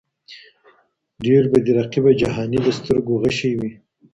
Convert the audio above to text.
ډېر به دي رقیبه جهاني د سترګو غشی وي